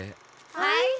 はい？